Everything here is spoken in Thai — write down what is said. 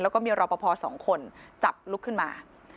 แล้วก็มีรอปภสองคนจับลุกขึ้นมา